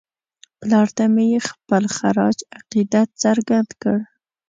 پلار ته مې یې خپل خراج عقیدت څرګند کړ.